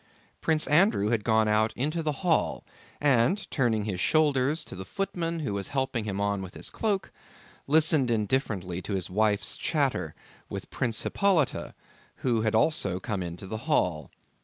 Prince Andrew had gone out into the hall, and, turning his shoulders to the footman who was helping him on with his cloak, listened indifferently to his wife's chatter with Prince Hippolyte who had also come into the hall.